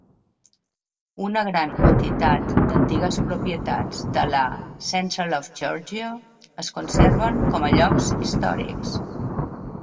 Una gran quantitat d'antigues propietats de la Central of Georgia es conserven com a llocs històrics